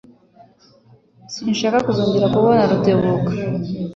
Sinshaka kuzongera kubona Rutebuka.